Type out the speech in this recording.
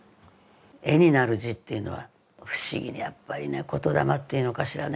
絵になる字っていうのは不思議にやっぱりね言霊っていうのかしらね